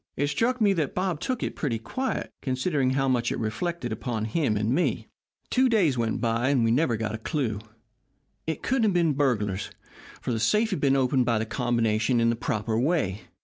It struck me that Bob took it pretty quiet, considering how much it reflected upon both him and me. "Two days went by and we never got a clew. It couldn't have been burglars, for the safe had been opened by the combination in the proper way.